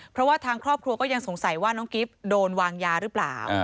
เพราะว่าทางครอบครัวก็ยังสงสัยว่าน้องกิฟต์โดนวางยาหรือเปล่า